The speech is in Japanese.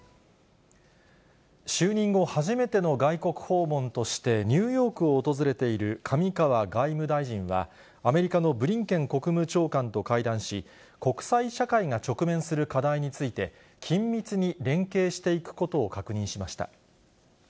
就任後初めての外国訪問として、ニューヨークを訪れている上川外務大臣は、アメリカのブリンケン国務長官と会談し、国際社会が直面する課題について、緊密に連携していくことを確認しました。